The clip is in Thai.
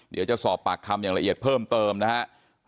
เดี๋ยวจะสอบปากคำอย่างละเอียดเพิ่มเติมนะครับ